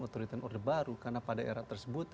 otoriter order baru karena pada era tersebut